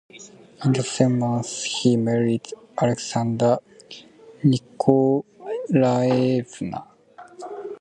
In the same month he married Alexandra Nikolaevna.